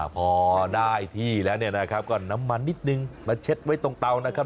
พอได้ที่แล้วเนี่ยนะครับก็น้ำมันนิดนึงมาเช็ดไว้ตรงเตานะครับ